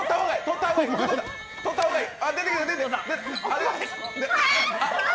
とった方がいい。